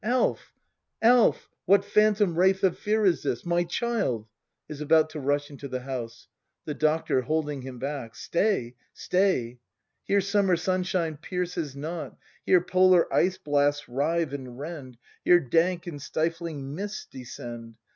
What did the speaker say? Alf! Alf! What phantom wraith Of fear is this! My child! [Is about to rush into the house. The Doctor. [Holding him back.] Stay, stay. — Here summer sunshine pierces not. Here polar ice blasts rive and rend, — Here dank and stifling mists descend.